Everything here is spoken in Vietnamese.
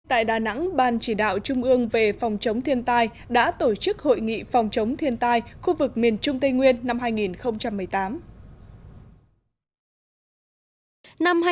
tại đà nẵng ban chỉ đạo trung ương về phòng chống thiên tai đã tổ chức hội nghị phòng chống thiên tai khu vực miền trung tây nguyên năm hai nghìn một mươi tám